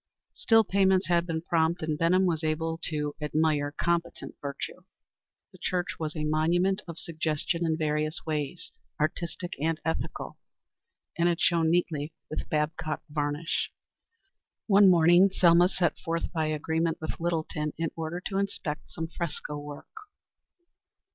Still, payments had been prompt, and Benham was able to admire competent virtue. The church was a monument of suggestion in various ways, artistic and ethical, and it shone neatly with Babcock varnish. One morning Selma set forth by agreement with Littleton, in order to inspect some fresco work.